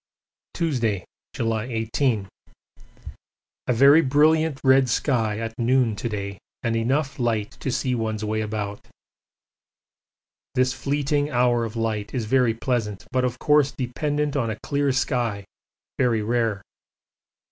Tuesday, July 18. A very brilliant red sky at noon to day and enough light to see one's way about. This fleeting hour of light is very pleasant, but of course dependent on a clear sky, very rare.